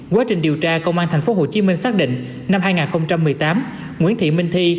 quá trình điều tra công an thành phố hồ chí minh xác định năm hai nghìn một mươi tám nguyễn thị minh thi